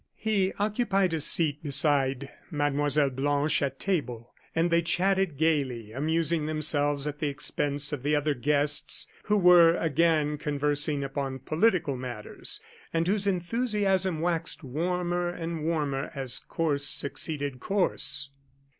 He occupied a seat beside Mlle. Blanche at table; and they chatted gayly, amusing themselves at the expense of the other guests, who were again conversing upon political matters, and whose enthusiasm waxed warmer and warmer as course succeeded course.